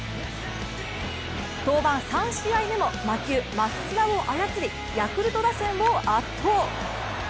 登板３試合目も魔球、真っスラを操りヤクルト打線を圧倒。